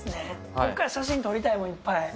ここから写真撮りたいもん、いっぱい。